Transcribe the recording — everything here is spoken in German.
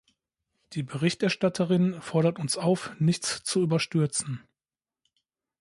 Die Berichterstatterin fordert uns auf, nichts zu überstürzen.